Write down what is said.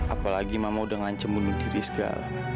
apalagi mama sudah ngancam bunuh diri segala